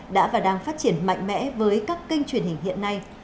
đã và đang phát triển mạnh mẽ với các kênh truyền hình hiện nay